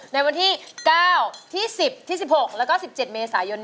ในวันที่๙ที่๑๐ที่๑๖แล้วก็๑๗เมษายน